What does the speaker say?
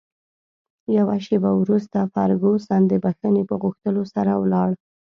یوه شیبه وروسته فرګوسن د بښنې په غوښتلو سره ولاړه.